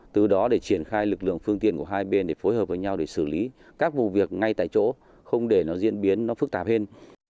từ đó để triển khai lực lượng phương tiện của hai bên để phối hợp với nhau để xử lý các vụ việc ngay tại chỗ không để nó diễn biến nó phức tạp hơn